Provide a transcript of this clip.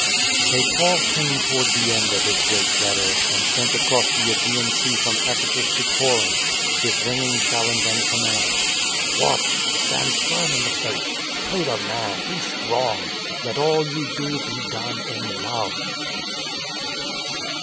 So Paul came toward the end of his great letter, and sent across the ^gean Sea from Ephesus to Corinth his ringing challenge and command. " Watch, stand firm in the faith, play the man, be strong! Let all you do be done in love."